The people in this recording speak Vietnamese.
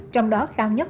trong đó cao nhất